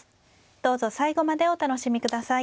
どうぞ最後までお楽しみ下さい。